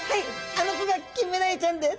あの子がキンメダイちゃんです。